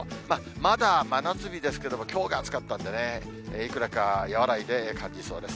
まだ真夏日ですけれども、きょうが暑かったんでね、いくらか和らいで感じそうです。